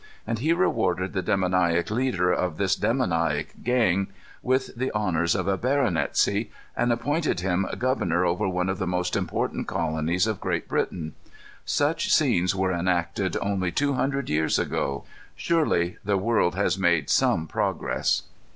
And he rewarded the demoniac leader of this demoniac gang with the honors of a baronetcy; and appointed him governor over one of the most important colonies of Great Britain. Such scenes were enacted only two hundred years ago. Surely the world has made some progress.